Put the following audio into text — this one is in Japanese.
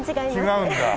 違うんだ。